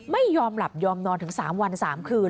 ไม่ยอมหลับยอมนอนถึง๓วัน๓คืน